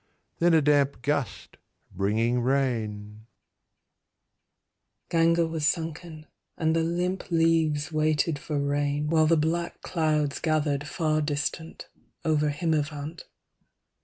Then a damp gust Bringing rain Ganga was sunken, and the limp leaves Waited for rain, while the black clouds Gathered far distant, over Himavant.